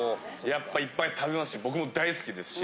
やっぱいっぱい食べますし僕も大好きですし。